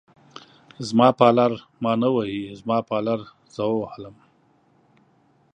زما پالر ما نه وهي، زما پالر زه ووهلم.